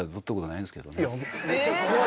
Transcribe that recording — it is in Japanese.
いやめっちゃ怖い。